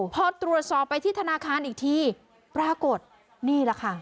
พอตรวจสอบไปที่ธนาคารอีกทีปรากฏนี่แหละค่ะ